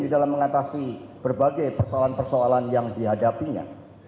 di dalam mengatasi berbagai persoalan persoalan yang dihadapinya